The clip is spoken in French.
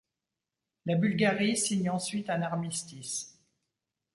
La Bulgarie signe ensuite un armistice.